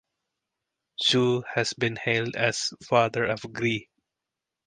Zhu has been hailed as "Father of Gree".